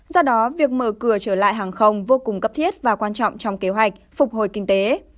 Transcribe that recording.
do đó việc mở cửa trở lại hàng không vô cùng cấp thiết và quan trọng trong kế hoạch phục hồi kinh tế